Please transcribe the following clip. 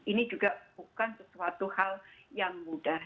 ini juga bukan sesuatu hal yang mudah